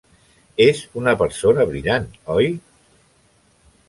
És una persona brillant, oi?